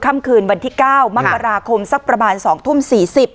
ค่ำคืนวันที่เก้ามคสักประมาณสองทุ่มสี่สิบ